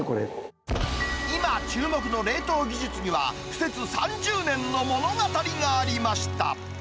今注目の冷凍技術には、苦節３０年の物語がありました。